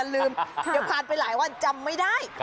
เดี๋ยวผ่านไปหลายวันจำไม่ได้